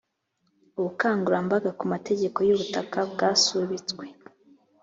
ubukangurambaga ku mategeko y’ubutaka bwasubitswe